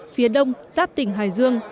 phía đông giáp tỉnh hải dương